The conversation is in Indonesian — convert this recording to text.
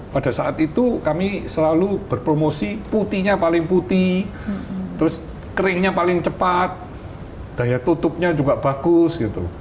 pada saat itu kami selalu berpromosi putihnya paling putih terus keringnya paling cepat daya tutupnya juga bagus gitu